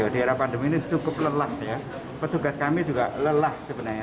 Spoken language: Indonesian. di era pandemi ini cukup lelah ya petugas kami juga lelah sebenarnya